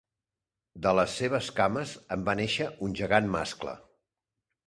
De les seves cames en va néixer un gegant mascle.